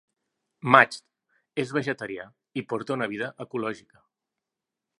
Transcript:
Macht és vegetarià i porta una vida ecològica.